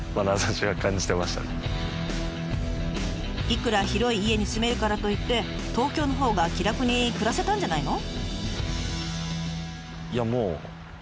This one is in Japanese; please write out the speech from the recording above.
いくら広い家に住めるからといって東京のほうが気楽に暮らせたんじゃないの？